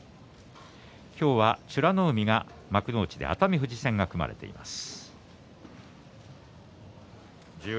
今日は美ノ海が幕内で熱海富士戦が組まれています。